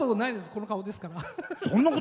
この顔ですから。